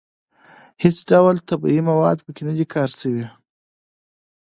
هېڅ ډول طبیعي مواد په کې نه دي کار شوي.